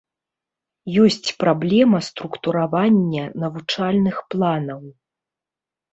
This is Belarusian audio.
Ёсць праблема структуравання навучальных планаў.